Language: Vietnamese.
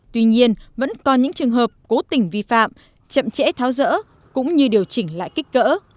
tuy nhiên vẫn còn những trường hợp cố tình vi phạm chậm trễ tháo rỡ cũng như điều chỉnh lại kích cỡ